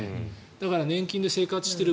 だから、年金で生活している。